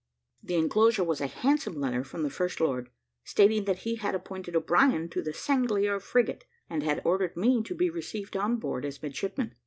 The enclosure was a handsome letter from the First Lord, stating that he had appointed O'Brien to the Sanglier frigate, and had ordered me to be received on board as midshipman.